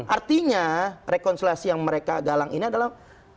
artinya rekonsiliasi yang mereka galang ini adalah